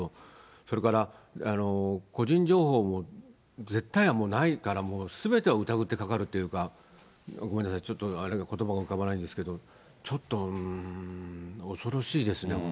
それから個人情報も絶対はないから、すべてを疑ってかかるというか、ごめんなさい、ちょっとことばが浮かばないんですけど、ちょっと恐ろしいですね、